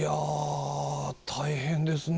大変ですね。